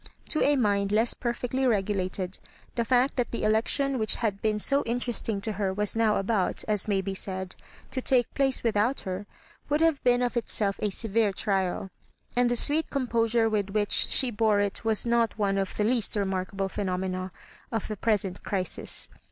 To a muid less per fectly regulated, the fact that the election which had been so interesting to her was now about, as may be said, to take place without her, would have been of itself a severe trial ; and the sweet composure with which she bore it was not one of the least remarkable phenomena of the present crisis.